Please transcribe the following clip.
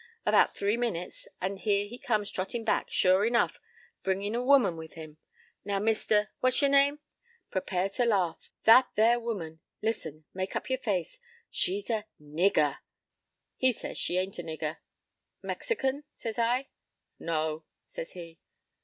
About three minutes and here he comes trottin' back, sure enough, bringin' a woman with him. Now Mister—What's y'r name—prepare to laugh. That there woman—listen—make up your face—she's a nigger! "He says she ain't a nigger. "'Mexican?' says I. "'No,' says he.